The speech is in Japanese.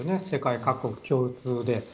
世界各国共通で。